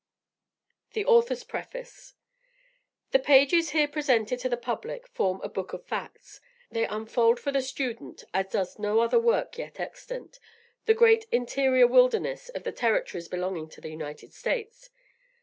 THE AUTHOR'S PREFACE. The pages here presented to the public form a book of facts. They unfold for the student, as does no other work yet extant, the great interior wilderness of the territories belonging to the United States.